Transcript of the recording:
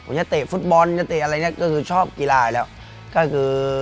จะเตะฟุตบอลจะเตะอะไรอย่างนี้ก็คือชอบกีฬาอย่างนี้แล้ว